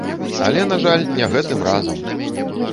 Але, на жаль, не гэтым разам!